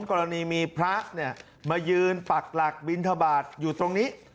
กรณีมีพระเนี่ยมายืนปักหลักบินทบาทอยู่ตรงนี้